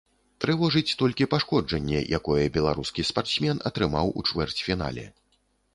Трывожыць толькі пашкоджанне, якое беларускі спартсмен атрымаў у чвэрцьфінале.